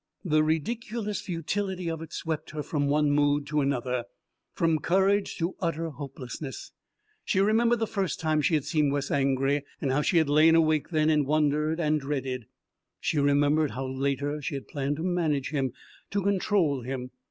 The ridiculous futility of it swept her from one mood to another, from courage to utter hopelessness. She remembered the first time that she had seen Wes angry, and how she had lain awake then and wondered, and dreaded. She remembered how, later, she had planned to manage him, to control him.